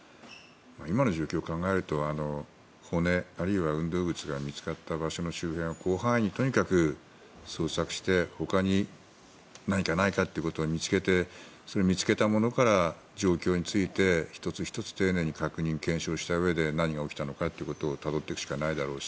今の状況を考えると骨、あるいは運動靴が見つかった場所の周辺を広範囲、とにかく捜索してほかに何かないかということを見つけて見つけたものから状況について、１つ１つ丁寧に確認、検証したうえで何が起きたのかってことをたどっていくしかないだろう